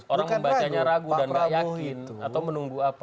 orang membacanya ragu dan gak yakin atau menunggu apa